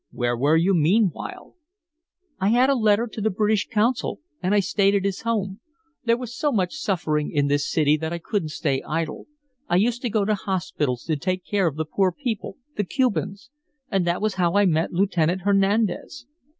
"Where were you meanwhile?" "I had a letter to the British consul, and I stayed at his home. There was so much suffering in this city that I couldn't stay idle. I used to go to the hospitals to take care of the poor people, the Cubans. And that was how I met Lieutenant Hernandez."